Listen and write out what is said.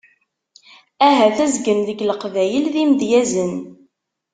Ahat azgen deg Leqbayel d imedyazen.